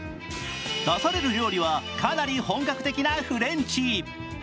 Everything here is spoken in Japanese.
出される料理はかなり本格的なフレンチ。